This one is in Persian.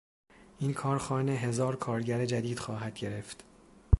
این کارخانه هزار کارگر جدید خواهد گرفت.